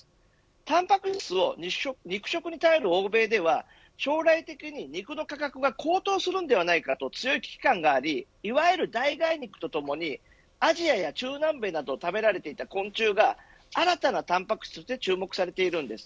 たんぱく質を肉食に頼る欧米では将来的に肉の価格が高騰するのではないかと強い危機感がありいわゆる代替肉とともにアジアや中南米などで食べられていた昆虫が新たなたんぱく質として注目されているんです。